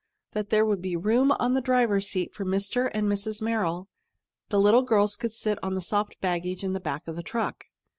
There would be room on the driver's seat for Mr. and Mrs. Merrill. The little girls could sit on the soft baggage in the back of the truck.